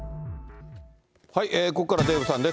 ここからはデーブさんです。